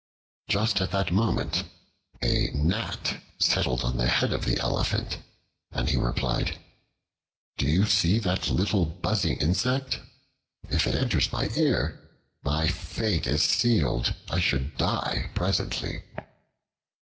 Just at that moment a Gnat settled on the head of the Elephant, and he replied, "Do you see that little buzzing insect? If it enters my ear, my fate is sealed. I should die presently."